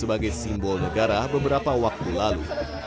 sebagai simbol negara beberapa waktu lalu